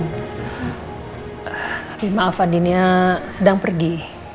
tapi maaf andina sedang pergi